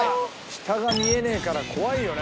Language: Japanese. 下が見えねえから怖いよね